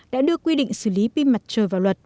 đã đưa quy định xử lý pin mặt trời vào luật